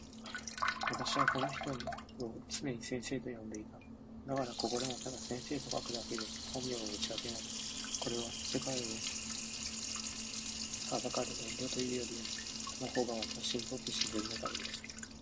私はその人を常に先生と呼んでいた。だからここでもただ先生と書くだけで本名は打ち明けない。これは、世界を憚る遠慮というよりも、その方が私にとって自然だからです。